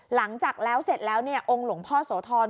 หลังจากแล้วเสร็จแล้วเนี่ยองค์หลวงพ่อโสธร